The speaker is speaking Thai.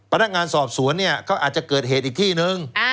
พนักงานสอบสวนเนี่ยเขาอาจจะเกิดเหตุอีกที่นึง